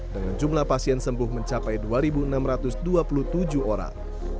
dengan jumlah pasien sembuh mencapai dua enam ratus dua puluh tujuh orang